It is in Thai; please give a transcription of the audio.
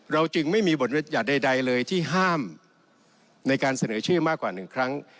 เราจึงไม่มีบทบรรยัติใดเลยที่ห้ามในการเสนอชื่อมากกว่าหนึ่งครั้ง